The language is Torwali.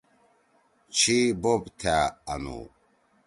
چھی بوپ تھأ آنُو۔